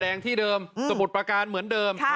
แดงที่เดิมสมุทรประการเหมือนเดิม